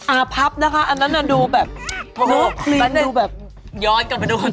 อาพับนะคะอันนั้นดูแบบย้อนกันมาดูตัวเอง